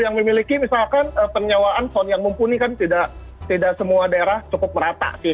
yang memiliki misalkan penyewaan sound yang mumpuni kan tidak semua daerah cukup merata sih